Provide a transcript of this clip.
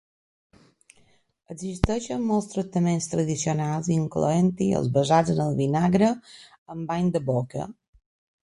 Existeixen molts tractaments tradicionals, incloent-hi els basats en el vinagre en bany de boca.